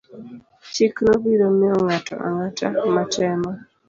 Chikno biro miyo ng'ato ang'ata matemo